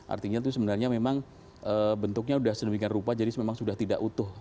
artinya itu sebenarnya memang bentuknya sudah sedemikian rupa jadi memang sudah tidak utuh